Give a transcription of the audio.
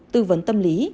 tư vấn tâm lý